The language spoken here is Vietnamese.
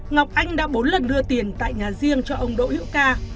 ngọc anh đã bốn lần đưa tiền tại nhà riêng cho ông đỗ hữu ca